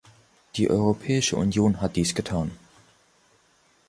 Die Europäische Union hat dies getan.